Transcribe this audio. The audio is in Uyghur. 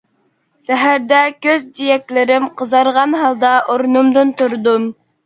سەھەردە كۆز جىيەكلىرىم قىزارغان ھالدا ئورنۇمدىن تۇردۇم.